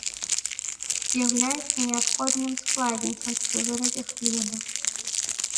З'яўляецца неабходным складнікам пры вырабе хлеба.